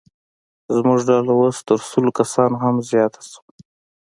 زموږ ډله اوس تر سلو کسانو هم زیاته شوه.